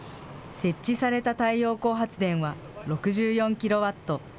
設置された太陽光発電は６４キロワット。